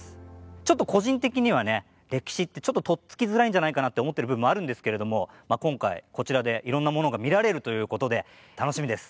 ちょっと個人的にはね歴史ってちょっととっつきづらいんじゃないかなって思ってる部分もあるんですけれども今回こちらでいろんなものが見られるということで楽しみです。